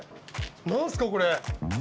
何すかこれ！